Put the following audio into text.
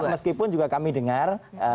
meskipun juga kami dengar